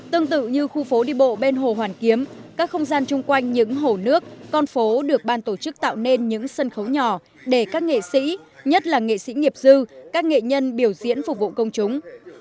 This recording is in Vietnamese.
tương tự như khu phố đi bộ bên hồ hoàn kiếm các không gian chung quanh những hồ nước con phố được ban tổ chức tạo nên những sân khấu nhỏ để các nghệ sĩ nhất là nghệ sĩ nghiệp dư các nghệ nhân biểu diễn phục vụ công chúng